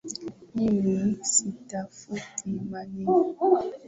Mimi sitafuti maneno